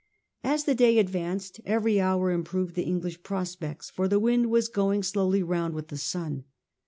As the day advanced every hour improved the English prospects, for the wind was going slowly round with the sun.